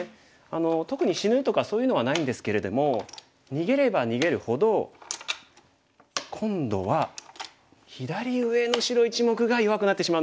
特に死ぬとかそういうのはないんですけれども逃げれば逃げるほど今度は左上の白１目が弱くなってしまうんですよね。